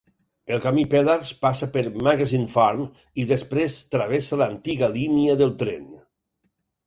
El camí Peddars passa per Magazine Farm i després travessa l'antiga línia del tren.